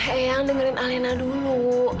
eyang dengerin alena dulu